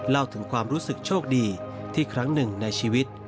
เล่าถึงความรู้สึกโชคดีที่ครั้งหนึ่งในชีวิต